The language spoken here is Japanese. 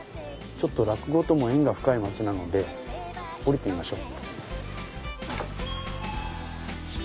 落語とも縁が深い街なので降りてみましょう。